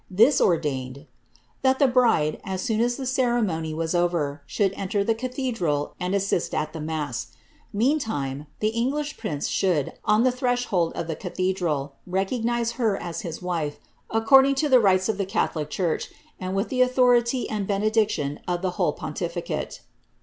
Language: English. This ordained, ^that the bride, as soon as the ceremony was over, should enter the cathedral and assist at the mass. Meantime, the Eng lish prince should, on the threshold of the cathedral, recognise her as his wife, according to the rites of the catholic church, and with the au thority and benediction of the whole pontificate."